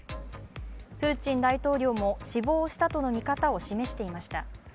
プーチン大統領も死亡したとの見方を示していました。